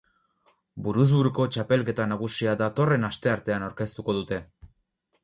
Buruz-buruko txapelketa nagusia datorren asteartean aurkeztuko dute.